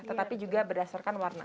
tetapi juga berdasarkan warna